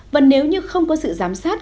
và nếu như không có sự giám sát